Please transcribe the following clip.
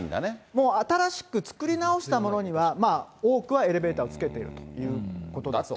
もう新しく作り直したものには、多くはエレベーターをつけているということだそうです。